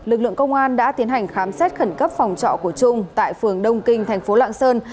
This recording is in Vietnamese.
lực lượng công an đã tiến hành khám xét khẩn cấp phòng trọ của trung tại phường đông kinh thành phố lạng sơn